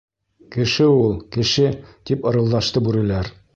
Кеше ул, кеше! — тип ырылдашты бүреләр.